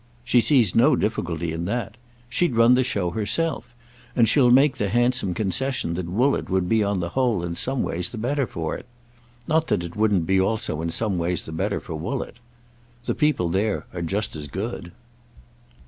She sees no difficulty in that. She'd run the show herself, and she'll make the handsome concession that Woollett would be on the whole in some ways the better for it. Not that it wouldn't be also in some ways the better for Woollett. The people there are just as good."